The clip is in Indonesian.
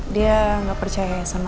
dia gak percaya sama aku ya ma